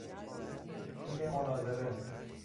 تیم مناظره